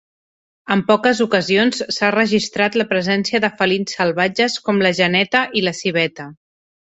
En poques ocasions s'ha registrat la presència de felins salvatges com la geneta i la civeta.